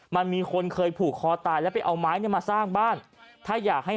มันมีคนเคยผูกคอตายแล้วไปเอาไม้เนี่ยมาสร้างบ้านถ้าอยากให้